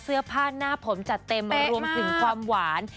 เสื้อผ้าหน้าผมจัดเต็มรวมถึงความหวาน